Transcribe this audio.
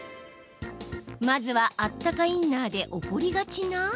まずは、あったかインナーで起こりがちな。